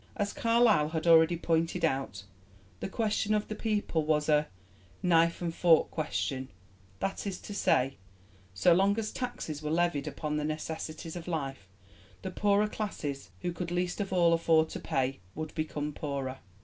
As Carlyle had already pointed out, the question of the people was a 'knife and fork' question that is to say, so long as taxes were levied upon the necessities of life, the poorer classes, who could least of all afford to pay, would become poorer.